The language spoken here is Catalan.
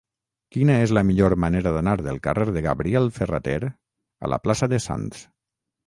Quina és la millor manera d'anar del carrer de Gabriel Ferrater a la plaça de Sants?